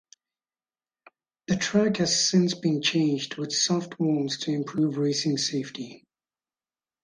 The track has since been changed with soft walls to improve racing safety.